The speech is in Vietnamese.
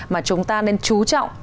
mà chúng ta nên chú trọng